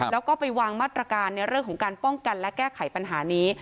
แล้วก็ไปวางมาตรการในเรื่องของการป้องกันและแก้ไขปัญหานี้